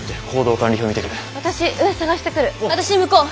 私向こう。